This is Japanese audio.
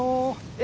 え？